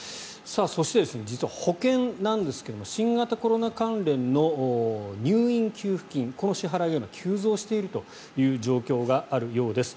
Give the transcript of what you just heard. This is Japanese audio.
そして、実は保険なんですが新型コロナ関連の入院給付金この支払いが今急増しているという状況があるようです。